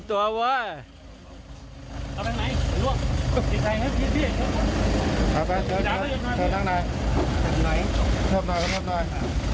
ระวังขาด้วย